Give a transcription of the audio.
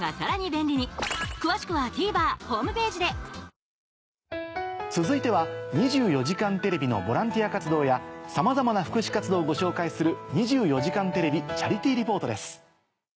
オールインワン続いては『２４時間テレビ』のボランティア活動やさまざまな福祉活動をご紹介する。